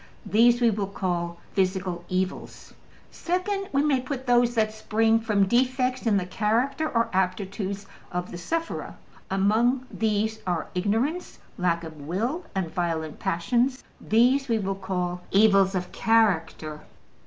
These we will call ``physical evils.'' Second, we may put those that spring from defects in the character or aptitudes of the sufferer: among these are ignorance, lack of will, and violent passions. These we will call ``evils of character.''